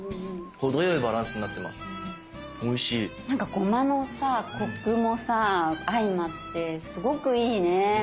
ごまのコクもさ相まってすごくいいね。